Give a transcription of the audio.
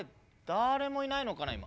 誰もいないのかな今。